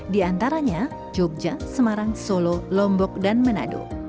di antaranya jogja semarang solo lombok dan manado